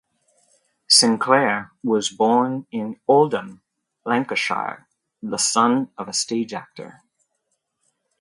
Sinclair was born in Oldham, Lancashire, the son of a stage actor.